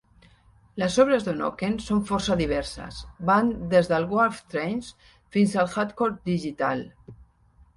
Les obres d'Onoken són força diverses, van des del goa trance fins al hardcore digital.